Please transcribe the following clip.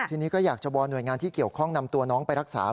ทีนี้ก็อยากจะวอนหน่วยงานที่เกี่ยวข้องนำตัวน้องไปรักษา